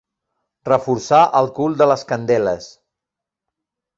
Reforçar el cul de les candeles.